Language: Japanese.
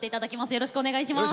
よろしくお願いします。